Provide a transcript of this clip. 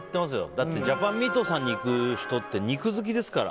だって、ジャパンミートさんに行く人って肉好きですから。